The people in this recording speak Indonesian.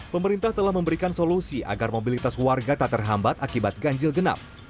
pemerintah telah memberikan solusi agar mobilitas warga tak terhambat akibat ganjil genap